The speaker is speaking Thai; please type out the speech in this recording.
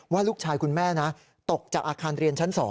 ว่าลูกชายคุณแม่นะตกจากอาคารเรียนชั้น๒